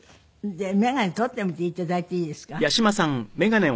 眼鏡取ってみて頂いていいですか？